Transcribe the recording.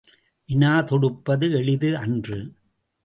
வினா தொடுப்பது எளிது அன்று.